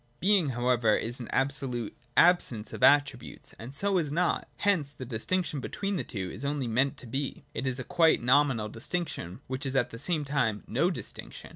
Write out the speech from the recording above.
Being however is an abso lute absence of attributes, and so is Nought. Hence the distinction between the two is only meant to be ; it is a quite nominal distinction, which is at the same time no distinction.